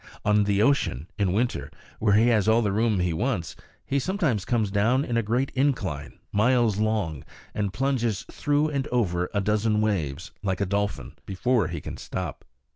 On the ocean, in winter, where he has all the room he wants, he sometimes comes down in a great incline, miles long, and plunges through and over a dozen waves, like a dolphin, before he can stop.